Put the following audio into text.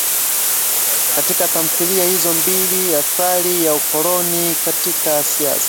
Katika tamthilia hizo mbili athari ya ukoloni katika siasa